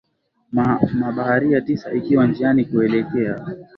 mabaharia tisa ikiwa njiani kuelekea